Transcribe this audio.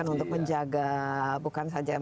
untuk menjaga bukan saja